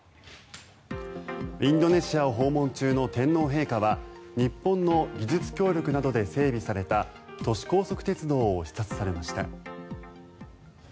インドネシアを訪問中の天皇陛下は日本の技術協力などで整備された都市高速鉄道を視察されました。